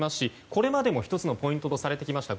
これまでも１つのポイントとされてきました